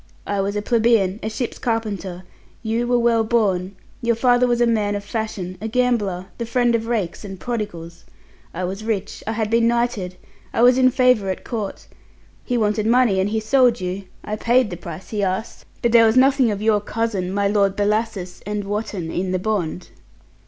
I was a plebeian, a ship's carpenter; you were well born, your father was a man of fashion, a gambler, the friend of rakes and prodigals. I was rich. I had been knighted. I was in favour at Court. He wanted money, and he sold you. I paid the price he asked, but there was nothing of your cousin, my Lord Bellasis and Wotton, in the bond."